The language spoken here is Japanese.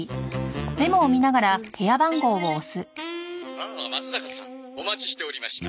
「ああまつざかさんお待ちしておりました」